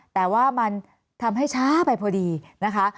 แต่ว่ามันทำให้ช้าไปพอดีนะคะ